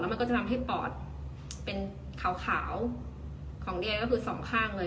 มันก็จะทำให้ปอดเป็นขาวของเดียก็คือสองข้างเลย